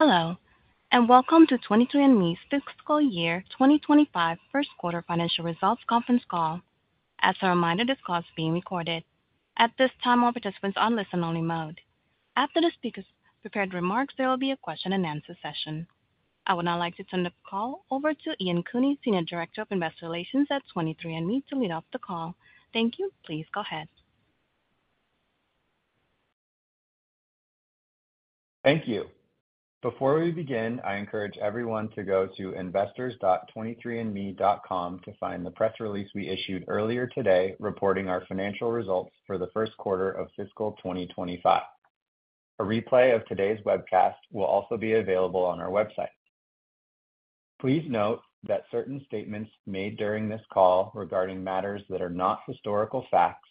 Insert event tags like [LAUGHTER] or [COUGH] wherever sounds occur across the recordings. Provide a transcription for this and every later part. Hello, and welcome to 23andMe's fiscal year 2025 Q1 financial results conference call. As a reminder, this call is being recorded. At this time, all participants are on listen-only mode. After the speaker's prepared remarks, there will be a question-and-answer session. I would now like to turn the call over to Ian Cooney, Senior Director of Investor Relations at 23andMe, to lead off the call. Thank you. Please go ahead. Thank you. Before we begin, I encourage everyone to go to investors.23andme.com to find the press release we issued earlier today, reporting our financial results for the Q1 of fiscal 2025. A replay of today's webcast will also be available on our website. Please note that certain statements made during this call regarding matters that are not historical facts,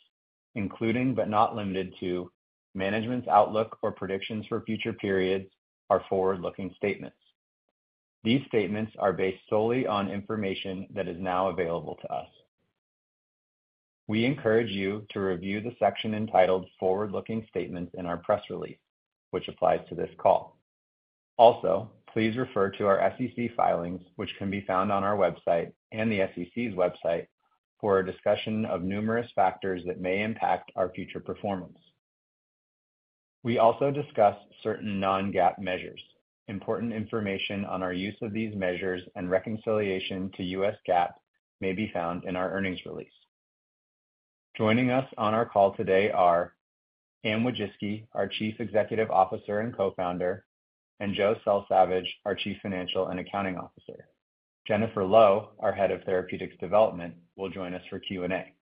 including, but not limited to, management's outlook or predictions for future periods, are forward-looking statements. These statements are based solely on information that is now available to us. We encourage you to review the section entitled Forward-Looking Statements in our press release, which applies to this call. Also, please refer to our SEC filings, which can be found on our website and the SEC's website, for a discussion of numerous factors that may impact our future performance. We also discuss certain non-GAAP measures. Important information on our use of these measures and reconciliation to US GAAP may be found in our earnings release. Joining us on our call today are Anne Wojcicki, our Chief Executive Officer and Co-founder, and Joe Selsavage, our Chief Financial and Accounting Officer. Jennifer Low, our Head of Therapeutics Development, will join us for Q&A.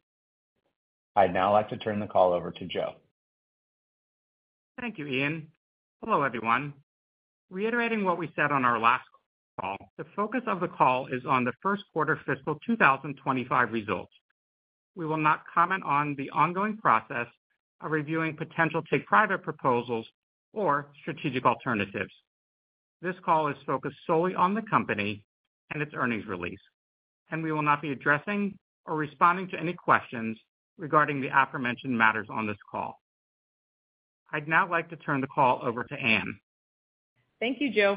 I'd now like to turn the call over to Joe. Thank you, Ian. Hello, everyone. Reiterating what we said on our last call, the focus of the call is on the Q1 fiscal 2025 results. We will not comment on the ongoing process of reviewing potential take-private proposals or strategic alternatives. This call is focused solely on the company and its earnings release, and we will not be addressing or responding to any questions regarding the aforementioned matters on this call. I'd now like to turn the call over to Anne. Thank you, Joe.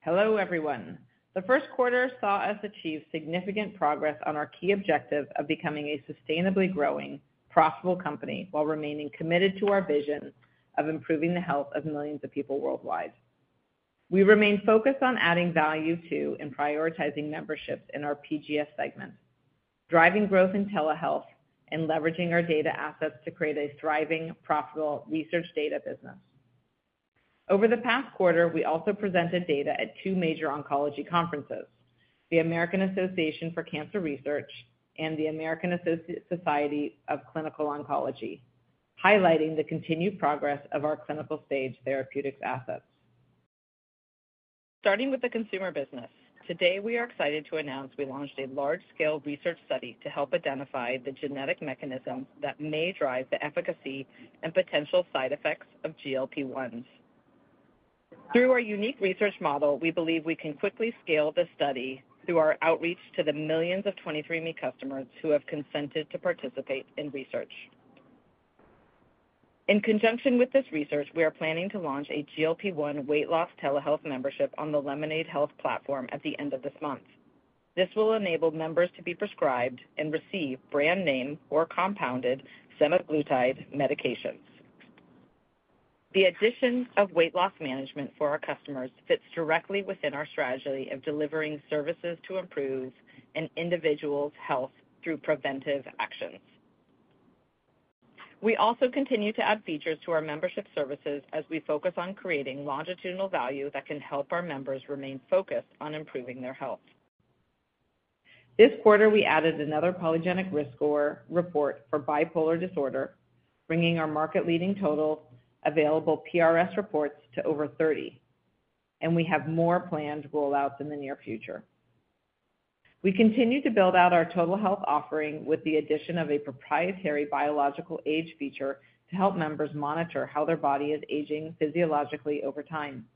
Hello, everyone. The Q1 saw us achieve significant progress on our key objective of becoming a sustainably growing, profitable company while remaining committed to our vision of improving the health of millions of people worldwide. We remain focused on adding value to and prioritizing memberships in our PGS segment, driving growth in telehealth and leveraging our data assets to create a thriving, profitable research data business. Over the past quarter, we also presented data at two major oncology conferences, the American Association for Cancer Research and the American Society of Clinical Oncology, highlighting the continued progress of our clinical-stage therapeutics assets. Starting with the consumer business, today, we are excited to announce we launched a large-scale research study to help identify the genetic mechanisms that may drive the efficacy and potential side effects of GLP-1s. Through our unique research model, we believe we can quickly scale this study through our outreach to the millions of 23andMe customers who have consented to participate in research. In conjunction with this research, we are planning to launch a GLP-1 weight loss telehealth membership on the Lemonaid Health platform at the end of this month. This will enable members to be prescribed and receive brand name or compounded semaglutide medications. The addition of weight loss management for our customers fits directly within our strategy of delivering services to improve an individual's health through preventive actions. We also continue to add features to our membership services as we focus on creating longitudinal value that can help our members remain focused on improving their health. This quarter, we added another polygenic risk score report for bipolar disorder, bringing our market-leading total available PRS reports to over 30, and we have more planned rollouts in the near future. We continued to build out our Total Health offering with the addition of a proprietary biological age feature to help members monitor how their body is aging physiologically over time.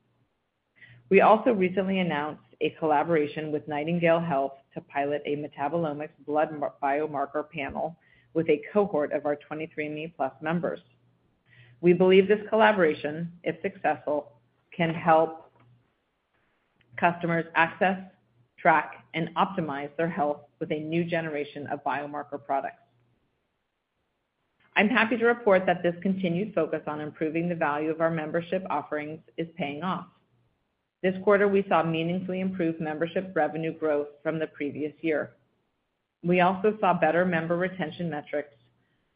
We also recently announced a collaboration with Nightingale Health to pilot a metabolomics blood biomarker panel with a cohort of our 23andMe+ members. We believe this collaboration, if successful, can help customers access, track, and optimize their health with a new generation of biomarker products. I'm happy to report that this continued focus on improving the value of our membership offerings is paying off. This quarter, we saw meaningfully improved membership revenue growth from the previous year. We also saw better member retention metrics,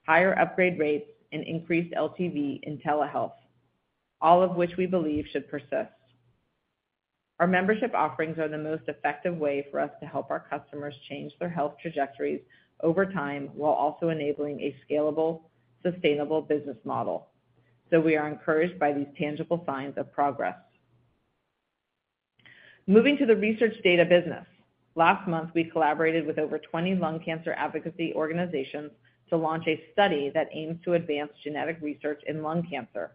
higher upgrade rates, and increased LTV in telehealth, all of which we believe should persist. Our membership offerings are the most effective way for us to help our customers change their health trajectories over time, while also enabling a scalable, sustainable business model, so we are encouraged by these tangible signs of progress. Moving to the research data business. Last month, we collaborated with over 20 lung cancer advocacy organizations to launch a study that aims to advance genetic research in lung cancer.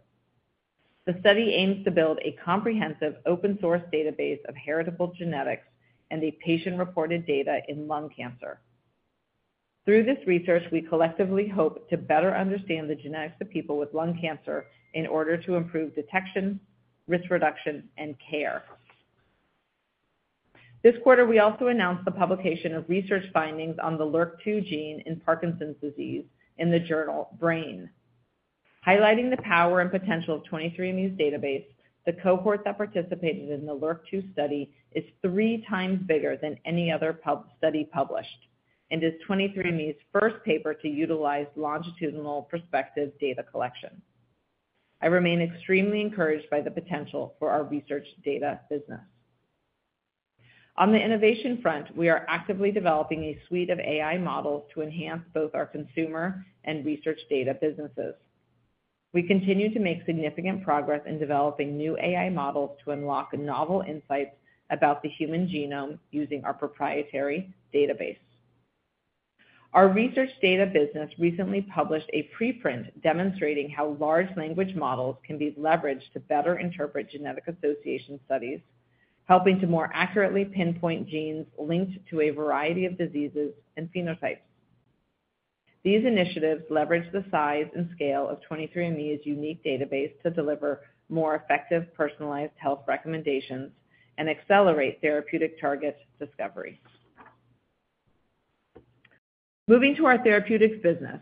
The study aims to build a comprehensive open-source database of heritable genetics and a patient-reported data in lung cancer.... Through this research, we collectively hope to better understand the genetics of people with lung cancer in order to improve detection, risk reduction, and care. This quarter, we also announced the publication of research findings on the LRRK2 gene in Parkinson's disease in the journal Brain. Highlighting the power and potential of 23andMe's database, the cohort that participated in the LRRK2 study is three times bigger than any other study published, and is 23andMe's first paper to utilize longitudinal prospective data collection. I remain extremely encouraged by the potential for our research data business. On the innovation front, we are actively developing a suite of AI models to enhance both our consumer and research data businesses. We continue to make significant progress in developing new AI models to unlock novel insights about the human genome using our proprietary database. Our research data business recently published a preprint demonstrating how large language models can be leveraged to better interpret genetic association studies, helping to more accurately pinpoint genes linked to a variety of diseases and phenotypes. These initiatives leverage the size and scale of 23andMe's unique database to deliver more effective personalized health recommendations and accelerate therapeutic targets discovery. Moving to our therapeutics business,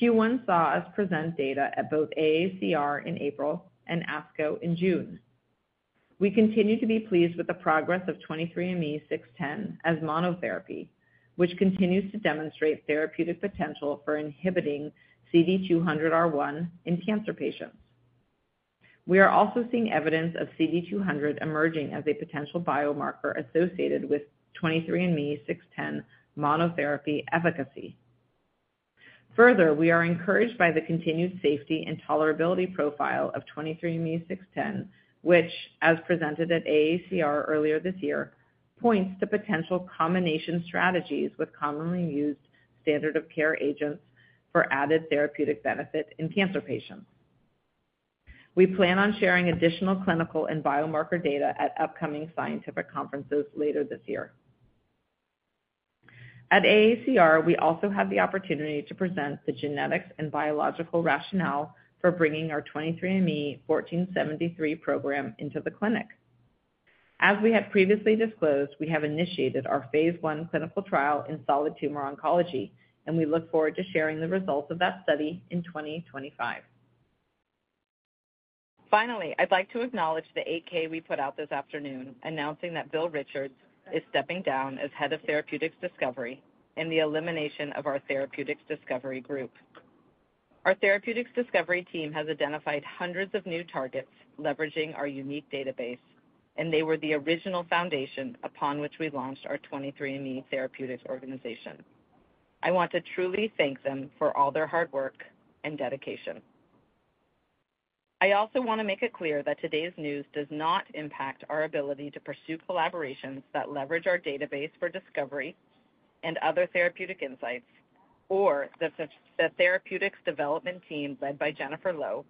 Q1 saw us present data at both AACR in April and ASCO in June. We continue to be pleased with the progress of 23andMe 610 as monotherapy, which continues to demonstrate therapeutic potential for inhibiting CD200R1 in cancer patients. We are also seeing evidence of CD200 emerging as a potential biomarker associated with 23andMe 610 monotherapy efficacy. Further, we are encouraged by the continued safety and tolerability profile of 23ME-00610, which, as presented at AACR earlier this year, points to potential combination strategies with commonly used standard of care agents for added therapeutic benefit in cancer patients. We plan on sharing additional clinical and biomarker data at upcoming scientific conferences later this year. At AACR, we also had the opportunity to present the genetics and biological rationale for bringing our 23ME-01473 program into the clinic. As we have previously disclosed, we have initiated our phase 1 clinical trial in solid tumor oncology, and we look forward to sharing the results of that study in 2025. Finally, I'd like to acknowledge the 8-K we put out this afternoon, announcing that Bill Richards is stepping down as Head of Therapeutics Discovery and the elimination of our Therapeutics Discovery Group. Our Therapeutics Discovery team has identified hundreds of new targets leveraging our unique database, and they were the original foundation upon which we launched our 23andMe therapeutics organization. I want to truly thank them for all their hard work and dedication. I also want to make it clear that today's news does not impact our ability to pursue collaborations that leverage our database for discovery and other therapeutic insights, or the therapeutics development team, led by Jennifer Low,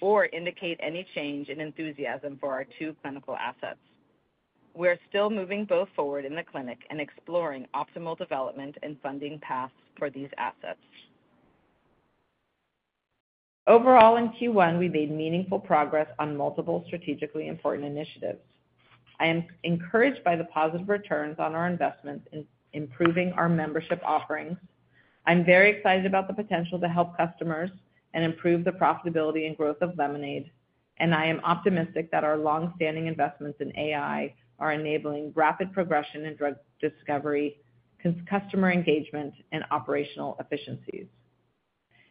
or indicate any change in enthusiasm for our two clinical assets. We are still moving both forward in the clinic and exploring optimal development and funding paths for these assets. Overall, in Q1, we made meaningful progress on multiple strategically important initiatives. I am encouraged by the positive returns on our investments in improving our membership offerings. I'm very excited about the potential to help customers and improve the profitability and growth of Lemonaid, and I am optimistic that our long-standing investments in AI are enabling rapid progression in drug discovery, customer engagement, and operational efficiencies.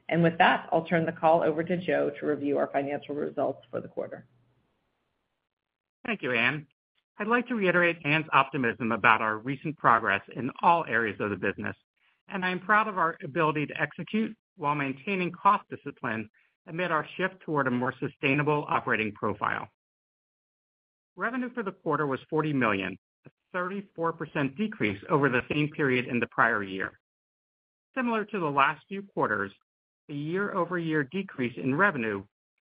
And with that, I'll turn the call over to Joe to review our financial results for the quarter. Thank you, Anne. I'd like to reiterate Anne's optimism about our recent progress in all areas of the business, and I'm proud of our ability to execute while maintaining cost discipline amid our shift toward a more sustainable operating profile. Revenue for the quarter was $40 million, a 34% decrease over the same period in the prior year. Similar to the last few quarters, the year-over-year decrease in revenue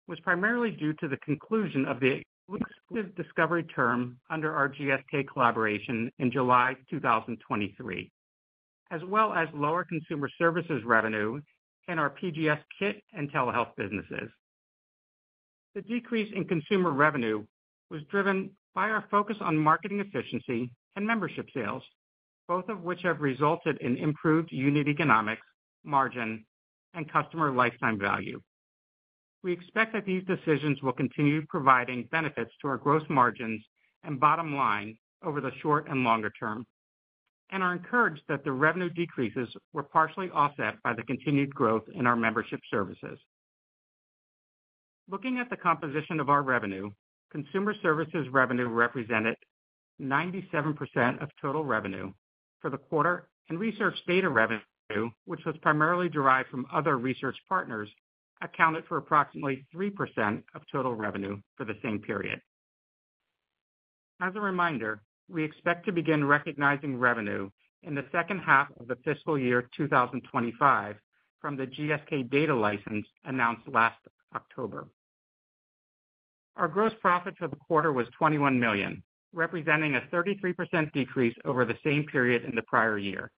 was primarily due to the conclusion of the exclusive discovery term under our GSK collaboration in July 2023, as well as lower consumer services revenue in our PGS Kit and telehealth businesses. The decrease in consumer revenue was driven by our focus on marketing efficiency and membership sales, both of which have resulted in improved unit economics, margin, and customer lifetime value. We expect that these decisions will continue providing benefits to our gross margins and bottom line over the short and longer term, and are encouraged that the revenue decreases were partially offset by the continued growth in our membership services. Looking at the composition of our revenue, consumer services revenue represented 97% of total revenue for the quarter, and research data revenue, which was primarily derived from other research partners, accounted for approximately 3% of total revenue for the same period. As a reminder, we expect to begin recognizing revenue in the second half of the fiscal year 2025 from the GSK data license announced last October. Our gross profit for the quarter was $21 million, representing a 33% decrease over the same period in the prior year.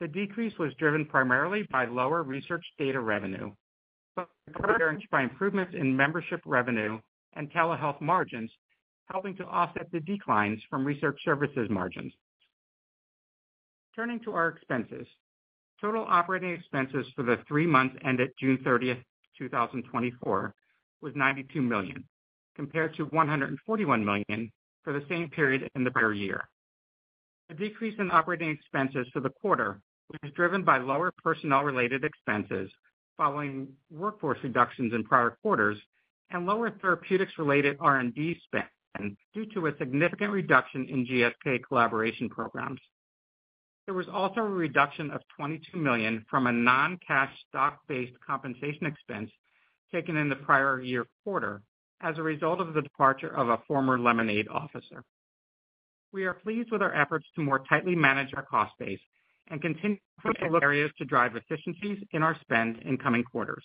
The decrease was driven primarily by lower research data revenue, but by improvements in membership revenue and telehealth margins, helping to offset the declines from research services margins. Turning to our expenses. Total operating expenses for the three months ended June 30, 2024, was $92 million, compared to $141 million for the same period in the prior year. The decrease in operating expenses for the quarter was driven by lower personnel-related expenses following workforce reductions in prior quarters, and lower therapeutics-related R&D spend due to a significant reduction in GSK collaboration programs. There was also a reduction of $22 million from a non-cash stock-based compensation expense taken in the prior year quarter as a result of the departure of a former Lemonaid officer. We are pleased with our efforts to more tightly manage our cost base and continue areas to drive efficiencies in our spend in coming quarters.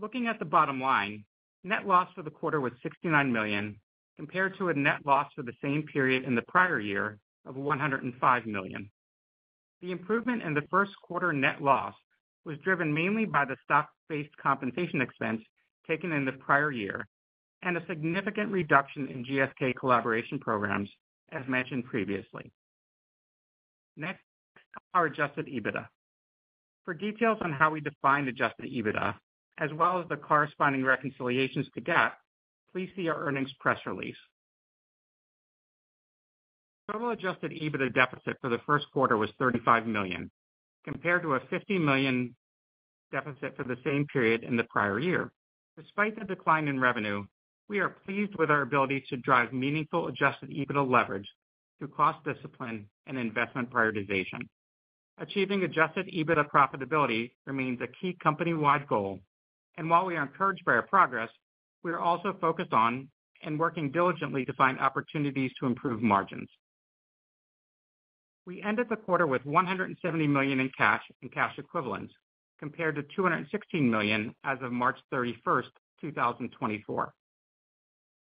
Looking at the bottom line, net loss for the quarter was $69 million, compared to a net loss for the same period in the prior year of $105 million. The improvement in the Q1 net loss was driven mainly by the stock-based compensation expense taken in the prior year and a significant reduction in GSK collaboration programs, as mentioned previously. Next, our Adjusted EBITDA. For details on how we define Adjusted EBITDA, as well as the corresponding reconciliations to GAAP, please see our earnings press release. Total Adjusted EBITDA deficit for the Q1 was $35 million, compared to a $50 million deficit for the same period in the prior year. Despite the decline in revenue, we are pleased with our ability to drive meaningful adjusted EBITDA leverage through cost discipline and investment prioritization. Achieving adjusted EBITDA profitability remains a key company-wide goal, and while we are encouraged by our progress, we are also focused on and working diligently to find opportunities to improve margins. We ended the quarter with $170 million in cash and cash equivalents, compared to $216 million as of March 31st, 2024.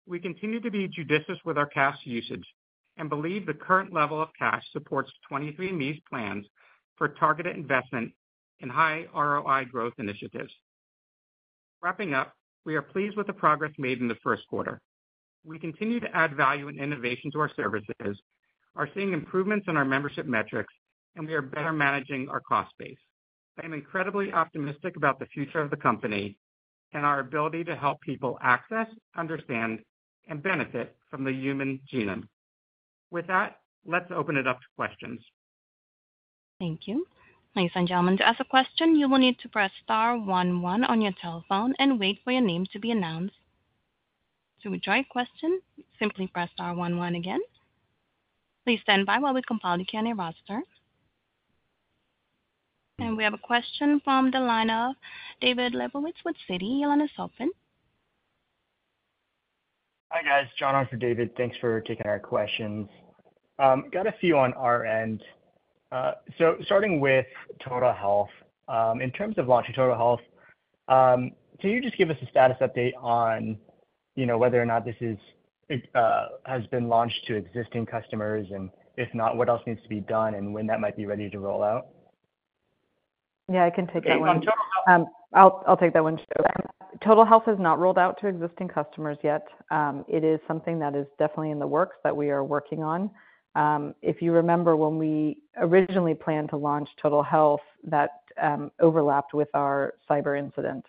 We continue to be judicious with our cash usage and believe the current level of cash supports 23andMe's plans for targeted investment in high ROI growth initiatives. Wrapping up, we are pleased with the progress made in the Q1. We continue to add value and innovation to our services, are seeing improvements in our membership metrics, and we are better managing our cost base. I am incredibly optimistic about the future of the company and our ability to help people access, understand, and benefit from the human genome. With that, let's open it up to questions. Thank you. Ladies and gentlemen, to ask a question, you will need to press star one one on your telephone and wait for your name to be announced. To withdraw your question, simply press star one one again. Please stand by while we compile the Q&A roster. And we have a question from the line of David Lebowitz with Citi. You want to self in? Hi, guys. John on for David. Thanks for taking our questions. Got a few on our end. So starting with Total Health, in terms of launching Total Health, can you just give us a status update on, you know, whether or not this is, has been launched to existing customers? And if not, what else needs to be done and when that might be ready to roll out? Yeah, I can take that one. Hey, on Total Health- I'll take that one, sure. Total Health is not rolled out to existing customers yet. It is something that is definitely in the works that we are working on. If you remember when we originally planned to launch Total Health, that overlapped with our cyber incident.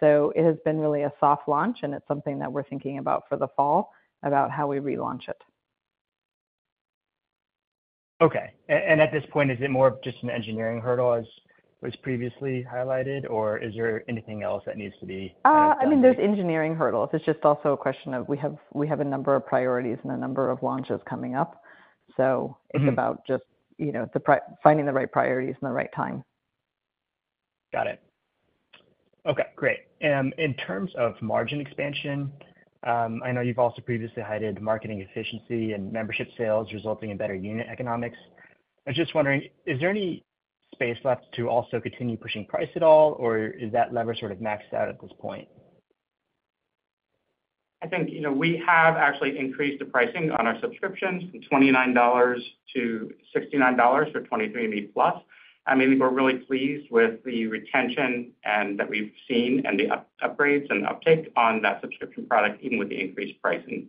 So it has been really a soft launch, and it's something that we're thinking about for the fall, about how we relaunch it. Okay. And at this point, is it more of just an engineering hurdle, as was previously highlighted, or is there anything else that needs to be done here? I mean, there's engineering hurdles. It's just also a question of we have a number of priorities and a number of launches coming up. So- Mm-hmm. It's about just, you know, finding the right priorities and the right time. Got it. Okay, great. In terms of margin expansion, I know you've also previously highlighted marketing efficiency and membership sales resulting in better unit economics. I was just wondering, is there any space left to also continue pushing price at all, or is that lever sort of maxed out at this point? I think, you know, we have actually increased the pricing on our subscriptions from $29 to $69 for 23andMe+. I mean, we're really pleased with the retention and that we've seen and the upgrades and uptick on that subscription product, even with the increased pricing.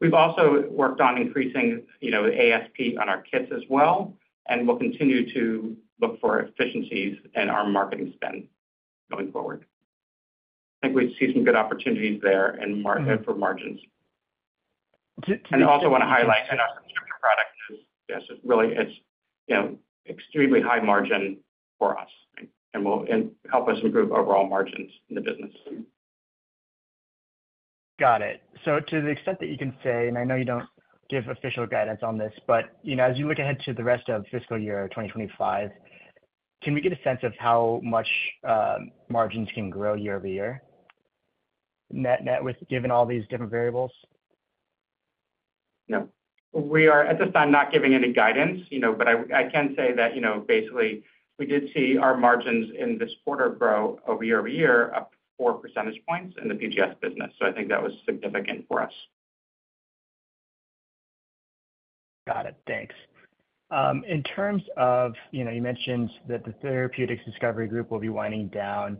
We've also worked on increasing, you know, ASP on our kits as well, and we'll continue to look for efficiencies in our marketing spend going forward. I think we see some good opportunities there in mar- Mm-hmm. for margins. [AUDIO DISTORTION] I also want to highlight in our subscription product, 'cause yes, it's really, you know, extremely high margin for us, and will help us improve overall margins in the business. Got it. So to the extent that you can say, and I know you don't give official guidance on this, but, you know, as you look ahead to the rest of fiscal year 2025, can we get a sense of how much, margins can grow year-over-year? Net, net with, given all these different variables? No, we are at this time not giving any guidance, you know, but I can say that, you know, basically, we did see our margins in this quarter grow year-over-year, up four percentage points in the PGS business, so I think that was significant for us. Got it. Thanks. In terms of, you know, you mentioned that the therapeutics discovery group will be winding down.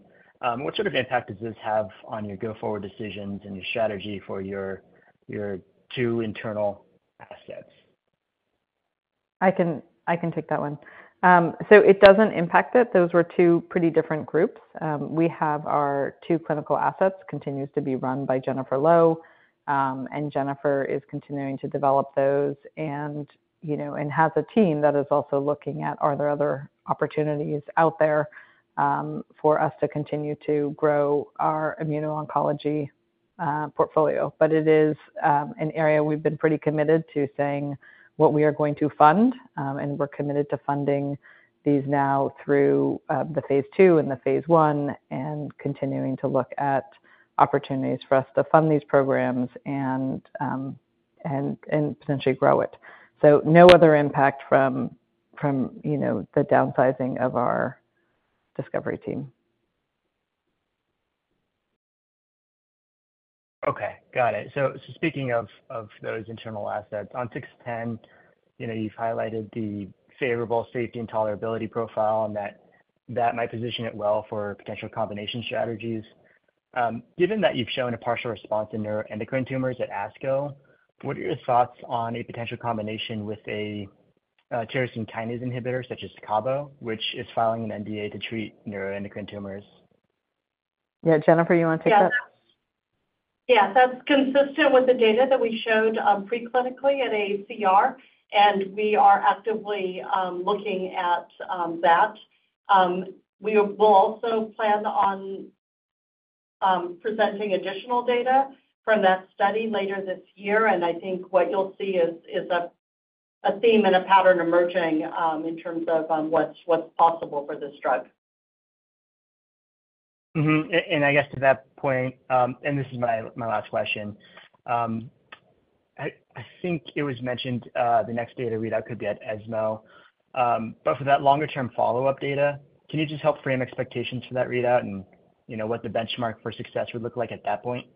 What sort of impact does this have on your go-forward decisions and your strategy for your, your two internal assets? I can, I can take that one. So it doesn't impact it. Those were two pretty different groups. We have our 2 clinical assets, continues to be run by Jennifer Low. And Jennifer is continuing to develop those and, you know, and has a team that is also looking at, are there other opportunities out there, for us to continue to grow our immuno-oncology portfolio? But it is, an area we've been pretty committed to saying what we are going to fund, and we're committed to funding these now through, the phase 2 and the phase 1, and continuing to look at opportunities for us to fund these programs and, and, and potentially grow it. So no other impact from, from, you know, the downsizing of our discovery team. Okay, got it. So, speaking of those internal assets, on 00610, you know, you've highlighted the favorable safety and tolerability profile and that might position it well for potential combination strategies. Given that you've shown a partial response in neuroendocrine tumors at ASCO, what are your thoughts on a potential combination with a tyrosine kinase inhibitor, such as Cabometyx, which is filing an NDA to treat neuroendocrine tumors? Yeah, Jennifer, you want to take that? Yeah. Yeah, that's consistent with the data that we showed pre-clinically at AACR, and we are actively looking at that. We will also plan on presenting additional data from that study later this year, and I think what you'll see is a theme and a pattern emerging in terms of what's possible for this drug. Mm-hmm. And I guess to that point, and this is my last question. I think it was mentioned, the next data readout could be at ESMO. But for that longer-term follow-up data, can you just help frame expectations for that readout and, you know, what the benchmark for success would look like at that point?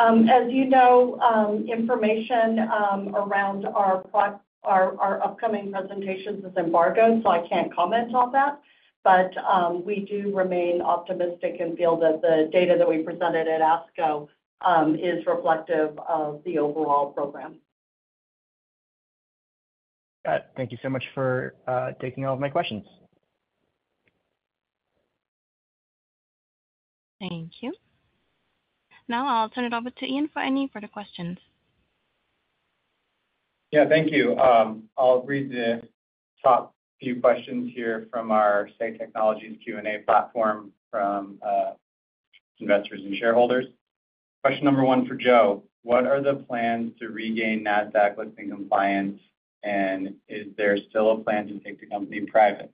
As you know, information around our program, our upcoming presentations is embargoed, so I can't comment on that. But, we do remain optimistic and feel that the data that we presented at ASCO is reflective of the overall program. Got it. Thank you so much for taking all of my questions. Thank you. Now, I'll turn it over to Ian for any further questions. Yeah, thank you. I'll read the top few questions here from our Say Technologies Q&A platform from investors and shareholders. Question number 1 for Joe: What are the plans to regain that Nasdaq listing compliance, and is there still a plan to take the company private?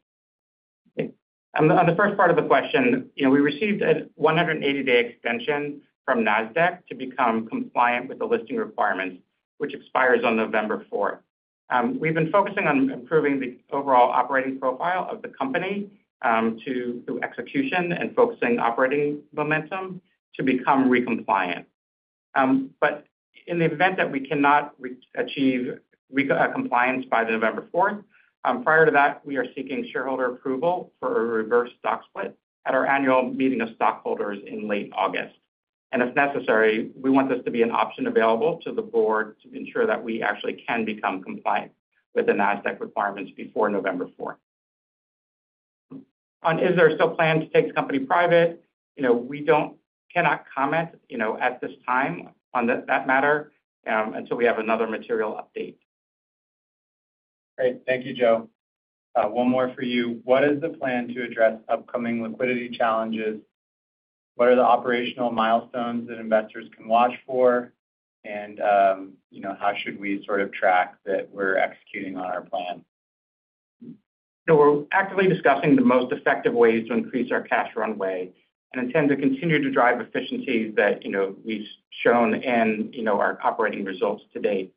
On the first part of the question, you know, we received a 180-day extension from NASDAQ to become compliant with the listing requirements, which expires on November fourth. We've been focusing on improving the overall operating profile of the company, to do execution and focusing operating momentum to become recompliant. But in the event that we cannot achieve compliance by November fourth, prior to that, we are seeking shareholder approval for a reverse stock split at our annual meeting of stockholders in late August. And if necessary, we want this to be an option available to the board to ensure that we actually can become compliant with the NASDAQ requirements before November fourth. On, is there still plan to take the company private? You know, we cannot comment, you know, at this time on that matter, until we have another material update. Great. Thank you, Joe. One more for you. What is the plan to address upcoming liquidity challenges? What are the operational milestones that investors can watch for? And, you know, how should we sort of track that we're executing on our plan? So we're actively discussing the most effective ways to increase our cash runway and intend to continue to drive efficiencies that, you know, we've shown in, you know, our operating results to date.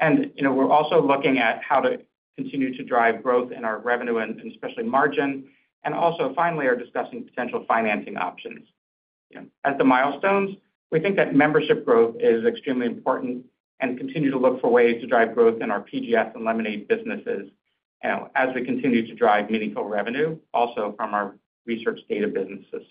And, you know, we're also looking at how to continue to drive growth in our revenue and, especially margin, and also finally, are discussing potential financing options. As the milestones, we think that membership growth is extremely important and continue to look for ways to drive growth in our PGS and Lemonaid businesses, as we continue to drive meaningful revenue, also from our research data businesses.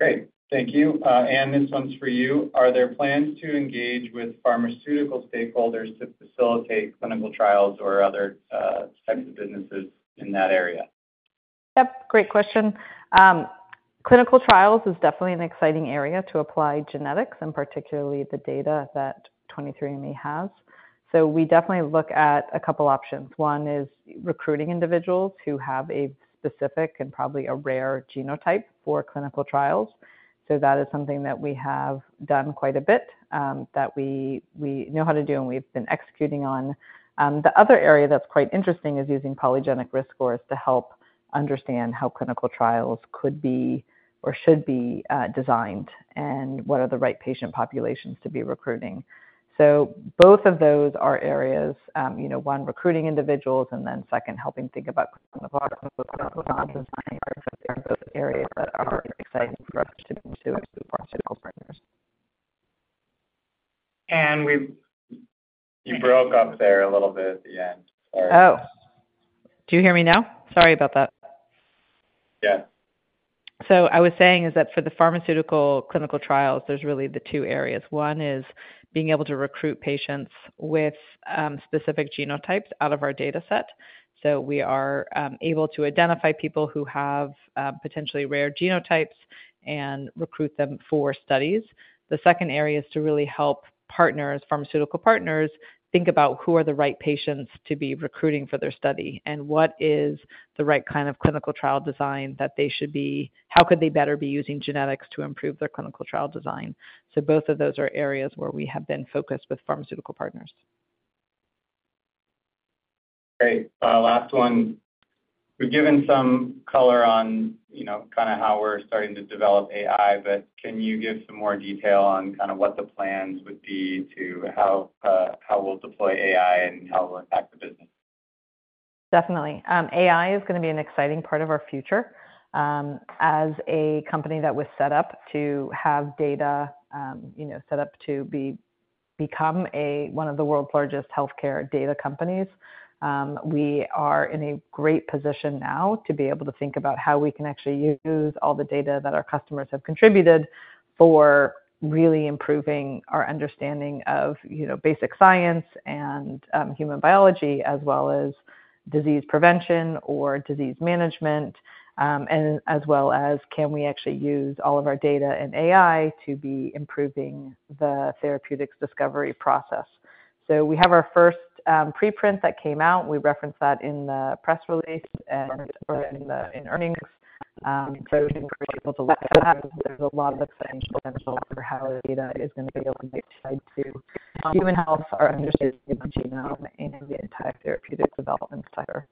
Great. Thank you. Anne, this one's for you. Are there plans to engage with pharmaceutical stakeholders to facilitate clinical trials or other types of businesses in that area? Yep, great question. Clinical trials is definitely an exciting area to apply genetics, and particularly the data that 23andMe has. So we definitely look at a couple options. One is recruiting individuals who have a specific and probably a rare genotype for clinical trials. So that is something that we have done quite a bit, that we know how to do and we've been executing on. The other area that's quite interesting is using polygenic risk scores to help understand how clinical trials could be or should be designed, and what are the right patient populations to be recruiting? So both of those are areas, you know, one, recruiting individuals, and then second, helping think about [AUDIO DISTORTION] areas that are exciting for us to pursue with pharmaceutical partners. And you broke up there a little bit at the end. Sorry. Oh. Do you hear me now? Sorry about that. Yeah. So I was saying is that for the pharmaceutical clinical trials, there's really the two areas. One is being able to recruit patients with specific genotypes out of our data set. So we are able to identify people who have potentially rare genotypes and recruit them for studies. The second area is to really help partners, pharmaceutical partners, think about who are the right patients to be recruiting for their study, and what is the right kind of clinical trial design that they should be, how could they better be using genetics to improve their clinical trial design? So both of those are areas where we have been focused with pharmaceutical partners. Great. Last one. We've given some color on, you know, kind of how we're starting to develop AI, but can you give some more detail on kind of what the plans would be to how, how we'll deploy AI and how it will impact the business? Definitely. AI is gonna be an exciting part of our future. As a company that was set up to have data, you know, set up to become a, one of the world's largest healthcare data companies, we are in a great position now to be able to think about how we can actually use all the data that our customers have contributed for really improving our understanding of, you know, basic science and, human biology, as well as disease prevention or disease management, and as well as can we actually use all of our data and AI to be improving the therapeutics discovery process. So we have our first preprint that came out. We referenced that in the press release and in the earnings. So we were able to look at that. There's a lot of potential for how data is going to be able to contribute to human health, our understanding of the genome, and the entire therapeutic development sector.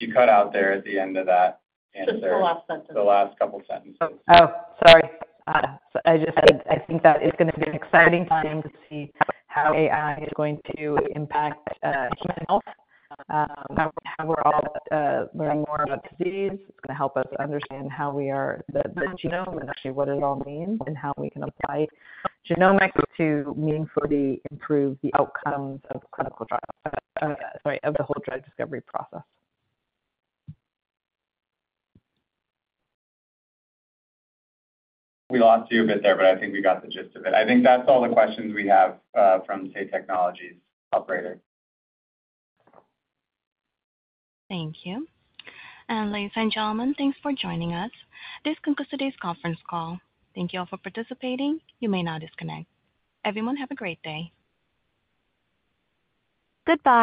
You cut out there at the end of that answer. Just the last sentence. The last couple sentences. Oh, sorry. I just said, I think that it's gonna be an exciting time to see how AI is going to impact human health, how we're all learning more about disease. It's gonna help us understand how we are... the, the genome, and actually what it all means, and how we can apply genomics to meaningfully improve the outcomes of clinical trials, sorry, of the whole drug discovery process. We lost you a bit there, but I think we got the gist of it. I think that's all the questions we have from Say Technologies operator. Thank you. Ladies and gentlemen, thanks for joining us. This concludes today's conference call. Thank you all for participating. You may now disconnect. Everyone, have a great day. Goodbye!